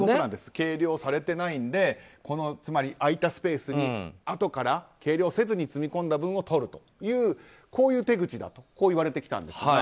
計量されていないのでつまり空いたスペースにあとから計量せずに積み込んだ分をとるというこういう手口だといわれてきたんですね。